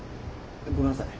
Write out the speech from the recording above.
ごめんなさい。